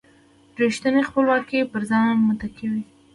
رېښتینې خپلواکي پر ځان متکي وي.